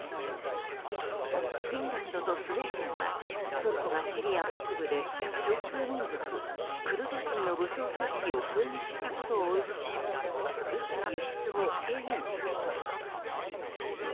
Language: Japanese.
フィンランドとスウェーデンはトルコがシリア北部で少数民族クルド人の武装組織を攻撃したことを受け武器輸出を制限しています。